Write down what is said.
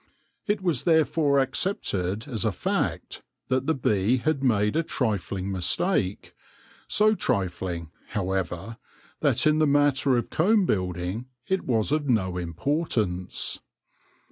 It was therefore accepted as a fact that the bee had made a trifling mistake — so trifling, however, that, in the matter of comb building, it was of no importance.